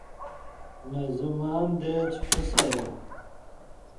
نے زیمآن دے چے فیسایا